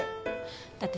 だってさ